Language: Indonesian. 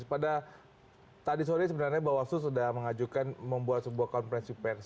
pada tadi sore sebenarnya bawaslu sudah mengajukan membuat sebuah konferensi pers